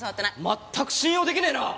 全く信用できねえな！